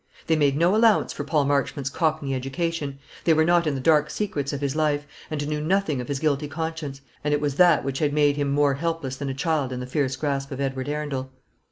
They made no allowance for Paul Marchmont's Cockney education; they were not in the dark secrets of his life, and knew nothing of his guilty conscience; and it was that which had made him more helpless than a child in the fierce grasp of Edward Arundel.